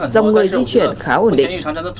dòng người di chuyển khá ổn định